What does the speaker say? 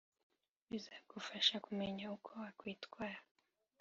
bizagufasha kumenya uko wakwitwara.